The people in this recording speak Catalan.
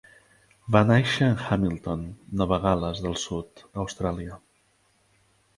Va nàixer en Hamilton, Nova Gal·les del Sud, Austràlia.